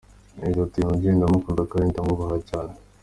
Yagize ati "Uyu mubyeyi ndamukunda kandi ndamwubaha cyane.